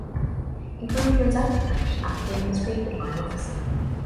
He grew to resent the French after being mistreated by an officer.